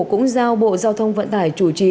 cũng giao bộ giao thông vận tải chủ trì